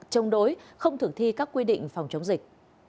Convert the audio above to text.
chống đối không thực thi các quy định phòng chống dịch